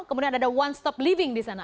kemudian ada one stop living di sana